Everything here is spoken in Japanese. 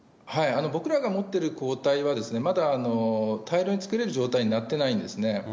僕らが持ってる抗体は、まだ大量に作れる状態になっていないんですね。